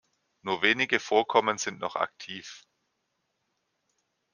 Nur wenige Vorkommen sind noch aktiv.